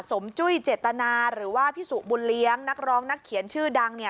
จุ้ยเจตนาหรือว่าพี่สุบุญเลี้ยงนักร้องนักเขียนชื่อดังเนี่ย